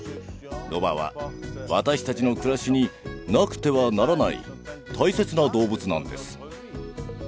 ロバは私たちの暮らしになくてはならない大切な動物なんです。